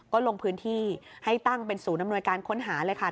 ก็ลงพื้นที่ให้ตั้งเป็นศูนย์อำนวยการค้นหาเลยค่ะ